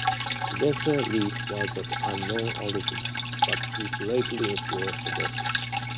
Tennessee Lead was of unknown origin, but he greatly influenced the Walker.